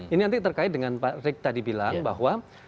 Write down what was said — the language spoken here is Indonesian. ini nanti terkait dengan pak rik tadi bilang bahwa